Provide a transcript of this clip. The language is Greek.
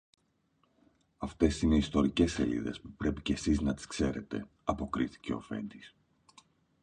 Αυτές είναι ιστορικές σελίδες, που πρέπει και σεις να τις ξέρετε, αποκρίθηκε ο αφέντης.